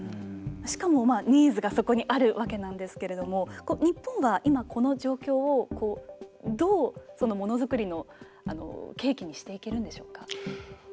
しかも、ニーズがそこにあるわけなんですけれども日本は、今この状況をどう、ものづくりの契機にしていけるんでしょうか。